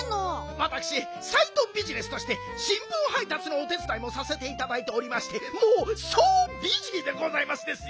わたくしサイドビジネスとしてしんぶんはいたつのお手つだいもさせていただいておりましてもうソービジーでございますですよはい。